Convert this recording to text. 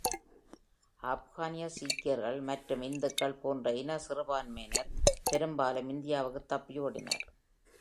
ஆப்கானிய சீக்கியர்கள் மற்றும் இந்துக்கள் போன்ற இன சிறுபான்மையினர் பெரும்பாலும் இந்தியாவுக்குத் தப்பி ஓடினர்.